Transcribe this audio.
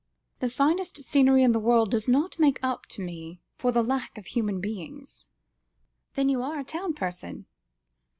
The finest scenery in the world does not make up to me, for the lack of human beings." "Then you are a town person?"